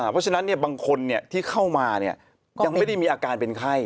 เพราะฉะนั้นบางคนที่เข้ามายังไม่ได้มีอาการเป็นไข้